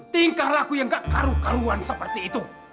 tingkah laku yang gak karu karuan seperti itu